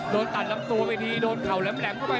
โดนตัดลำตัวไปดีโดนเข่าแหลมเข้าไป